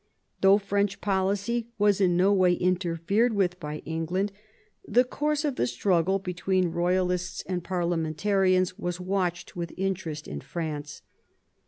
Though French policy was in no way interfered with by England, the course of the struggle between the Royalists and Parliamentarians II THE REBELLION IN ENGLAND 33 was watched with interest in France.